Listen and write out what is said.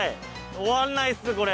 終わらないですこれ。